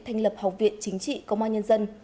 thành lập học viện chính trị công an nhân dân